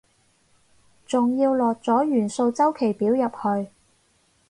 仲要落咗元素週期表入去